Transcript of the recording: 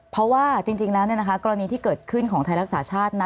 เพราะว่าจริงแล้วกรณีที่เกิดขึ้นของไทยรักษาชาติ